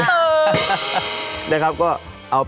มีคนเดียว